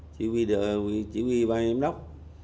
chỉ huy ba em đốc